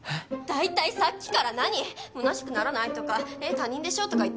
大体さっきから何⁉「むなしくならない？」とか「えっ他人でしょ？」とか言って！